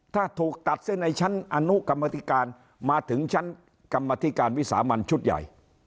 ถ้าถูกตัดเส้นในชั้นอนุกรรมธิการมาถึงชั้นกรรมธิการวิสามันชุดใหญ่